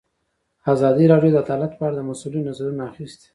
ازادي راډیو د عدالت په اړه د مسؤلینو نظرونه اخیستي.